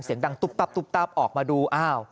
เสียงดังตุ๊บตับตุ๊บตับออกมาดูอ้าว